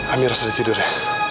amirah sudah tidur ya